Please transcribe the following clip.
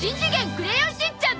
クレヨンしんちゃん』